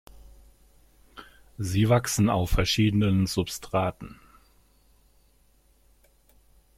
Sie wachsen auf verschiedenen Substraten.